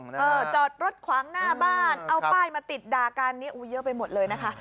เออจอดรถขวางหน้าบ้านเอาป้ายมาติดด่ากันนี้เยอะไปหมดเลยนะคะ